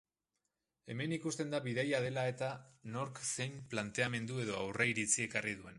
Hemen ikusten da bidaia dela-eta nork zein planteamendu edo aurreiritzi ekarri duen.